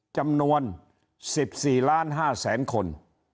จำนวน๑๔๕๐๐๐๐๐คน